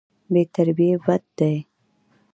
بې ترتیبي بد دی.